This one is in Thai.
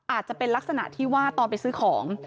อาจจะเป็นลักษณะที่ว่าตอนไปซื้อของ